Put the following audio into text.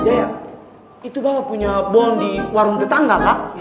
aja ya itu bawa punya bondi warung tetangga